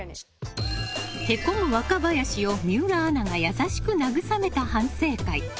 へこむ若林を水卜アナが優しく慰めた反省会。